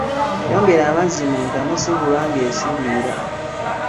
Yongera amazzi mu ntamu si kulwa ng'esirira.